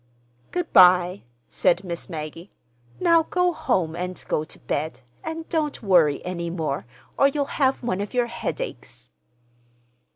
"Good bye," said Miss Maggie. "Now, go home and go to bed, and don't worry any more or you'll have one of your headaches."